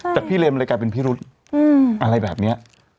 พี่เรียนมันเลยกลายเป็นพิรุษอะไรแบบนี้